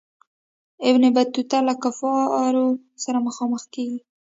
ابن بطوطه له کفارو سره مخامخ کیږي.